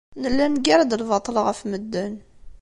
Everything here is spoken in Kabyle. Nella neggar-d lbaṭel ɣef medden.